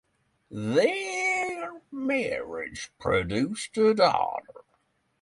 Their marriage produced a daughter.